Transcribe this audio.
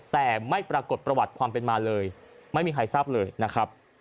แต่ไม่ปรากฏประวัติความเป็นมาเลยไม่มีใครทราบเลยนะครับ